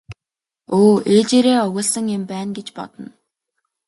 Өө ээжээрээ овоглосон юм байна гэж бодно.